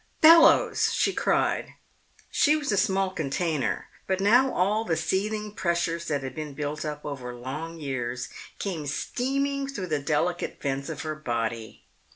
"Bellowes!" she cried. She was a small container, but now all the seething pressures that had been built up over long years came steaming through the delicate vents of her body.